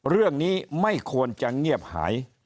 เรื่องนี้ไม่ควรจะเงียบหาย